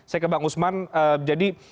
saya ke bang usman jadi